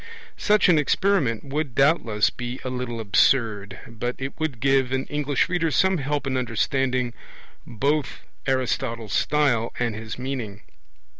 Such an experiment would doubtless be a little absurd, but it would give an English reader some help in understanding both Aristotle's style and his meaning.